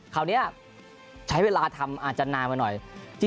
คราวเนี่ยใช้เวลาทำอาจจะนานไปสิ